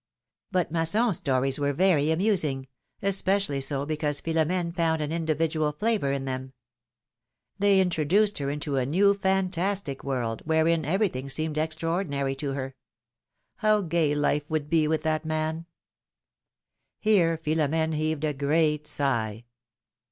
But Masson's stories were very amusing — especially so, because Philomene foi^nd an individual flavor in them; they introduced her into a new, fantastic world, wherein everything seemed extraordinary to her. How gay life would be with that man ! Here Philomene heaved a great sigh.